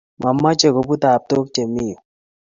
Mameche koput taptok che mi yu